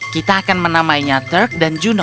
kita akan menamainya turk dan juno